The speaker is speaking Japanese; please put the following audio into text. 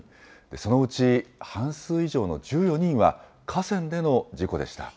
そのうち半数以上の１４人は河川での事故でした。